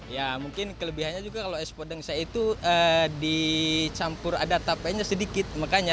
ya mungkin kelebihannya juga kalau es podeng saya itu dicampur ada tapenya sedikit